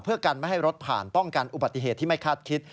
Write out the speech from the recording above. เพื่อกันไม่ให้รถผ่านป้องกันอุบัติเหตุที่ไม่คาดคิด